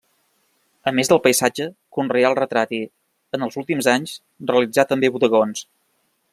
A més del paisatge, conreà el retrat i, en els últims anys, realitzà també bodegons.